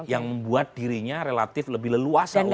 yang membuat dirinya relatif lebih leluasa untuk menarik